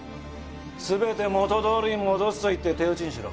全て元どおりに戻すと言って手打ちにしろ。